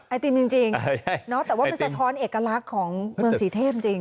ไอติมจริงแต่ว่ามันสะท้อนเอกลักษณ์ของเมืองสีเทพจริง